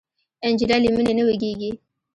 نجلۍ له مینې نه وږيږي.